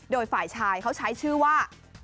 โดยฝ่ายชายเขาใช้ชื่อว่า